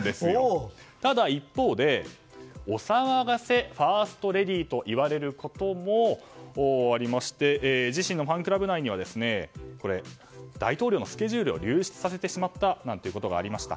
ただ、一方でお騒がせファーストレディーといわれることもありまして自身のファンクラブ内で大統領のスケジュールを流出させてしまったなんていうことがありました。